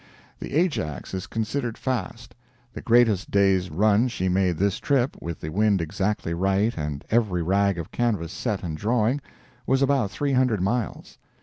The Ajax is considered fast; the greatest day's run she made this trip, with the wind exactly right and every rag of canvass set and drawing, was about 300 miles.